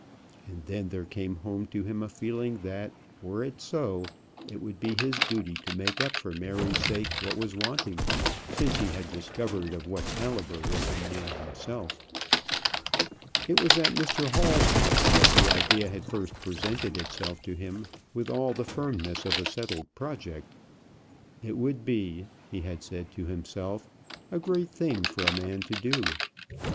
And then there came home to him a feeling that were they so, it would be his duty to make up for Mary's sake what was wanting, since he had discovered of what calibre was the man himself. It was at Mr Hall's house that the idea had first presented itself to him with all the firmness of a settled project. It would be, he had said to himself, a great thing for a man to do.